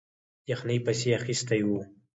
یخنۍ پسې اخیستی وو.